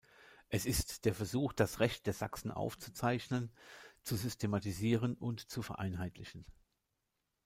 Es ist der Versuch, das Recht der Sachsen aufzuzeichnen, zu systematisieren und zu vereinheitlichen.